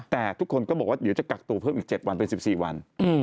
แต่ทุกคนก็บอกว่าเดี๋ยวจะกักตัวเพิ่มอีก๗วันเป็น๑๔วัน